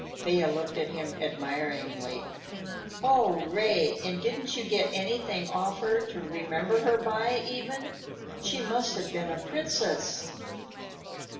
Thea looked at him admiringly. "Oh, Ray, and didn't you get anything off her, to remember her by, even? She must have been a princess."